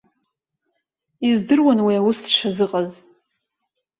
Издыруан уи аус дшазыҟаз.